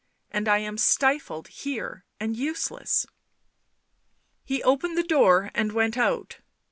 and I am stifled here and useless." He opened the door and went out.